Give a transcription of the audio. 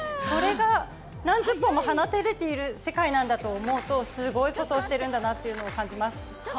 それが何十本も放たれている世界なんだと思うと、すごいことをしてるんだなというのを感じます。